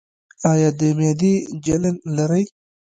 ایا د معدې جلن لرئ؟